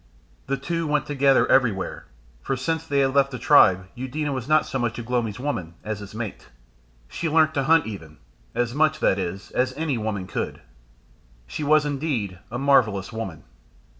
The two went together everywhere; for since they had left the tribe Eudena was not so much Ugh lomi's woman as his mate; she learnt to hunt even as much, that is, as any woman could. She was indeed a marvellous woman.